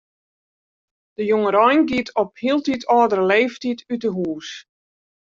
De jongerein giet op hieltyd âldere leeftiid út 'e hûs.